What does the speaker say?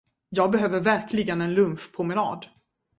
Jag behöver verkligen en lunchpromenad.